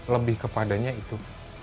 lebih kepadanya itu